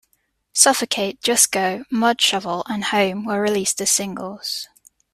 "Suffocate", "Just Go", "Mudshovel", and "Home" were released as singles.